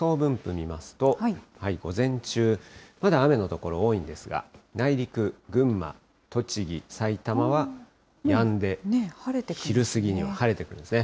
見ますと、午前中、まだ雨の所、多いんですが、内陸、群馬、栃木、埼玉はやんで、昼過ぎには晴れてくるんですね。